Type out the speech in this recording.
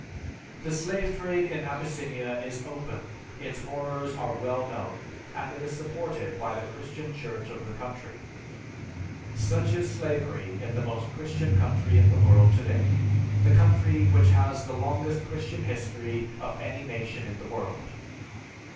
"The slave trade in Abyssinia is open, its horrors are well known, and it is supported by the Christian Church of the country. Such is slavery in the most Christian country in the world today, the country which has the longest Christian history of any nation in the world.